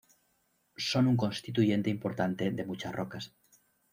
Son un constituyente importante de muchas rocas.